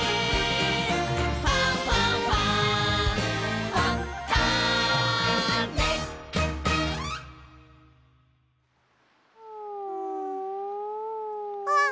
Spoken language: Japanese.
「ファンファンファン」あっ。